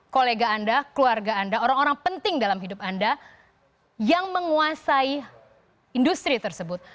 kolega anda keluarga anda orang orang penting dalam hidup anda yang menguasai industri tersebut